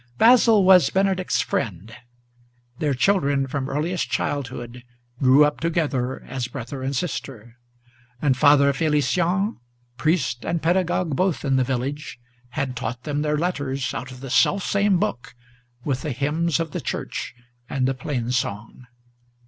Basil was Benedict's friend. Their children from earliest childhood Grew up together as brother and sister; and Father Felician, Priest and pedagogue both in the village, had taught them their letters Out of the selfsame book, with the hymns of the church and the plain song.